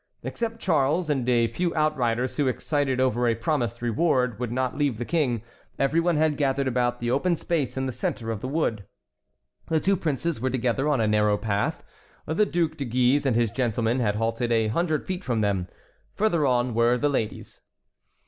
Except Charles and a few outriders who, excited over a promised reward, would not leave the King, everyone had gathered about the open space in the centre of the wood. The two princes were together on a narrow path, the Duc de Guise and his gentlemen had halted a hundred feet from them. Further on were the ladies.